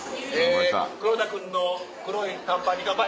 え黒田君の黒い短パンに乾杯。